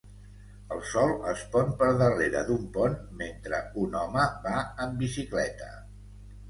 El sol es pon per darrere d'un pont mentre un home va en bicicleta.